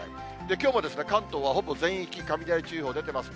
きょうも関東はほぼ全域、雷注意報が出ています。